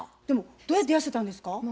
でもどうやって痩せたんですか？